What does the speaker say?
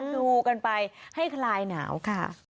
ดูกันไปให้คลายหนาวค่ะ